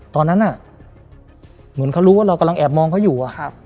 ตอนนั้นเหมือนเขารู้ว่าเรากำลังแอบมองเขาอยู่